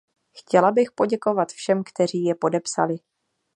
Chtěla bych poděkovat všem, kteří je podepsali.